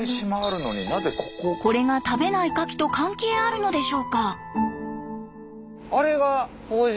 これが食べないカキと関係あるのでしょうか？